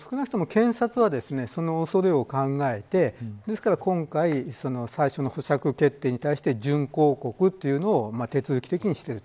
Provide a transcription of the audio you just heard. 少なくとも検察はその恐れを考えてですから今回最初の保釈決定に対して準抗告というのを手続き的にしている。